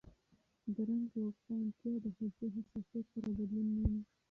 د رنګ روښانتیا د حجرې حساسیت سره بدلون مومي.